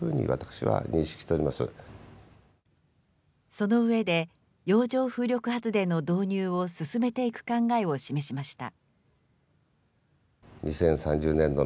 その上で、洋上風力発電の導入を進めていく考えを示しました。